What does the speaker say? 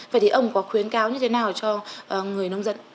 vậy thì ông có khuyến cáo như thế nào cho người nông dân